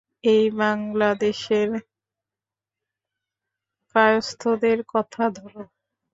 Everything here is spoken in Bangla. এই বাঙলা দেশের কায়স্থদের কথা ধর।